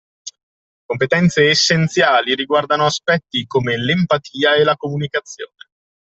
Competenze essenziali riguardano aspetti come l’empatia e la comunicazione